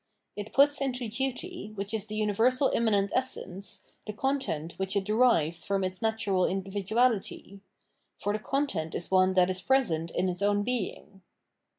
It puts into duty, which is the universal im manent essence, the content which it derives from its natural individuality ; for the content is one that is present in its own being.